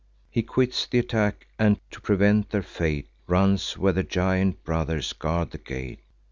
He quits th' attack, and, to prevent their fate, Runs where the giant brothers guard the gate.